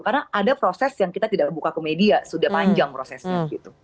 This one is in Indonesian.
karena ada proses yang kita tidak buka ke media sudah panjang prosesnya gitu